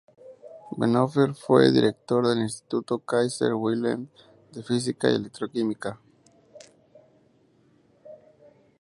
Bonhoeffer fue director del "Instituto Kaiser Wilhelm" de física y electroquímica.